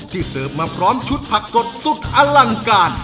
เสิร์ฟมาพร้อมชุดผักสดสุดอลังการ